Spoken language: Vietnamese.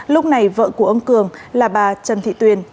lúc này vợ của ông cường là bà trần thị tuyền